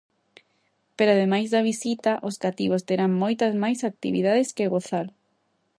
Pero ademais da visita, os cativos terán moitas máis actividades que gozar.